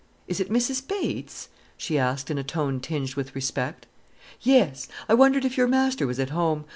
"Is it Mrs Bates?" she asked in a tone tinged with respect. "Yes. I wondered if your Master was at home.